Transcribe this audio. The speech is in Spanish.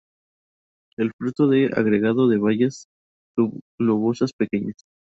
El fruto en agregado de bayas subglobosas, pequeñas.